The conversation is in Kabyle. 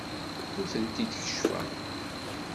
Ur tent-id-keccfeɣ.